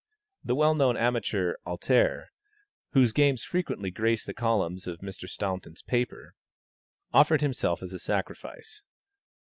The well known amateur, "Alter," whose games frequently grace the columns of Mr. Staunton's paper, offered himself as a sacrifice.